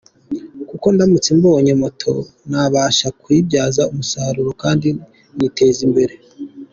Kuko ndamutse mbonye moto nabasha kuyibyaza umusaruro kandi nkiteza imbere.